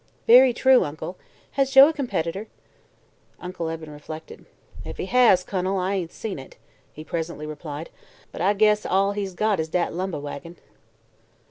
"Very true, Uncle. Has Joe a competitor?" Uncle Eben reflected. "Ef he has, Kun'l, I ain't seen it," he presently replied; "but I guess all he's got is dat lumbeh wagin."